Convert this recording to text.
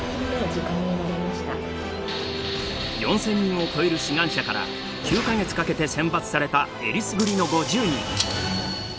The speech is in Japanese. ４，０００人を超える志願者から９か月かけて選抜されたえりすぐりの５０人。